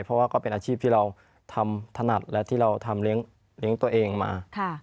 เพราะว่าก็เป็นอาชีพที่เราทำถนัดและที่เราทำเลี้ยงตัวเองมา